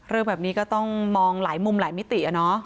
เรื่องแบบนี้ก็ต้องมองหลายมุมหลายมิติอะเนาะ